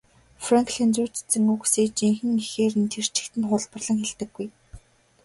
Франклин зүйр цэцэн үгсийг жинхэнэ эхээр нь тэр чигт нь хуулбарлан хэрэглэдэггүй.